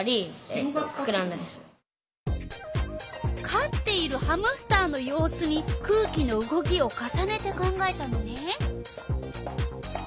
かっているハムスターの様子に空気の動きを重ねて考えたのね。